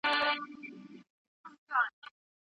اعتياد ځوان نسل له منځه وړي.